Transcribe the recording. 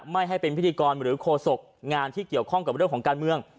ไม่ให้เป็นพิธีกรหรือโฆษกงานที่เกี่ยวข้องกับเรื่องของการเมือง